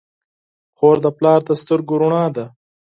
خور د پلار د سترګو رڼا ده.